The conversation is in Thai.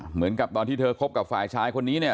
เหมือนกับตอนที่เธอคบกับฝ่ายชายคนนี้เนี่ย